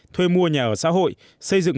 thuê mua nhà ở xã hội xây dựng